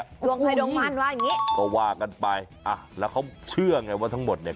ดวงใครดวงมั่นว่าอย่างงี้ก็ว่ากันไปอ่ะแล้วเขาเชื่อไงว่าทั้งหมดเนี่ย